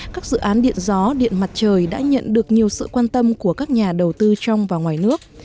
các dự án điện gió điện mặt trời đã nhận được nhiều sự quan tâm của các nhà đầu tư trong và ngoài nước